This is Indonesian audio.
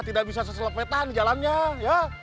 tidak bisa seselepetan jalannya ya